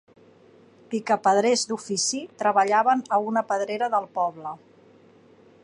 Picapedrers d'ofici, treballaven a una pedrera del poble.